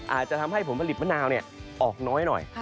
อาจจะทำให้ผลผลิตมะนาวออกน้อยหน่อย